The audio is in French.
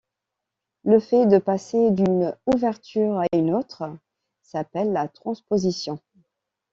Le fait de passer d'une ouverture à une autre s'appelle la transposition.